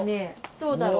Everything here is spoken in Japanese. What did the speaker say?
どうだろう？